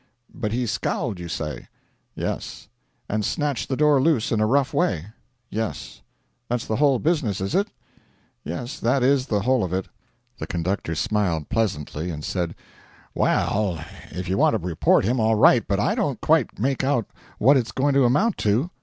'But he scowled, you say?' 'Yes.' 'And snatched the door loose in a rough way?' 'Yes.' 'That's the whole business, is it?' 'Yes, that is the whole of it.' The conductor smiled pleasantly, and said: 'Well, if you want to report him, all right, but I don't quite make out what it's going to amount to.